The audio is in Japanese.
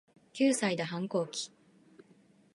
九歳で反抗期